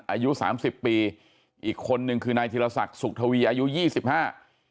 อายุสามสิบปีอีกคนนึงคือนายธิรศักดิ์สุขทวีอายุยี่สิบห้า